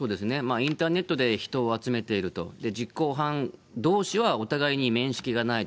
インターネットで人を集めていると、実行犯どうしはお互いに面識がないと。